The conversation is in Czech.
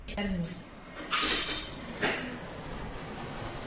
Tato situace se změnila s příchodem elektřiny a možností jejího masového využití.